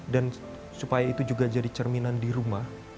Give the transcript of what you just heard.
dan supaya itu juga jadi cerminan di rumah